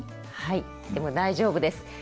はいでも大丈夫です。